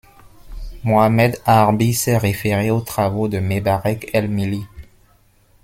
Mohamed Harbi s'est référé aux travaux de Mebarek el Mili.